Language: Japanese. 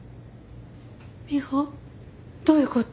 ミホどういうこと？